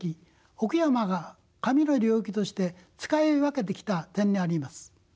奥山が神の領域として使い分けてきた点にあります。